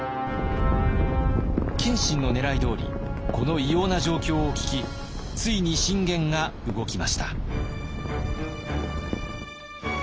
謙信の狙いどおりこの異様な状況を聞きついに信玄が動きました。